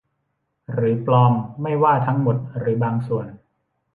หรือปลอมไม่ว่าทั้งหมดหรือบางส่วน